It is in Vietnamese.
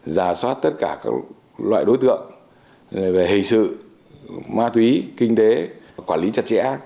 giả soát tất cả các loại đối tượng về hình sự ma túy kinh tế quản lý chặt chẽ